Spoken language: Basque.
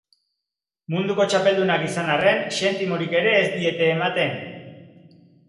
Munduko txapeldunak izan arren, xentimorik ere ez diete ematen.